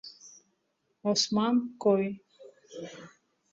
Осман-Кои.